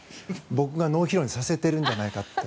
僕が脳疲労にさせてるんじゃないかって。